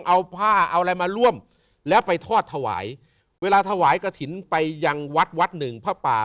เอาผ้าเอาอะไรมาร่วมแล้วไปทอดถวายเวลาถวายกระถิ่นไปยังวัดวัดหนึ่งผ้าป่า